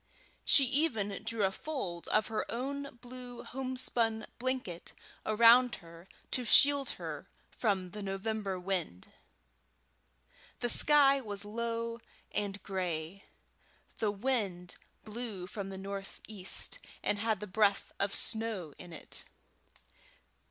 She even drew a fold of her own blue homespun blanket around her to shield her from the November wind. The sky was low and gray; the wind blew from the northeast, and had the breath of snow in it.